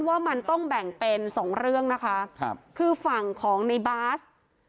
ว่ามันต้องแบ่งเป็นสองเรื่องนะคะครับคือฝั่งของในบาส